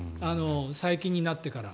最近になってから。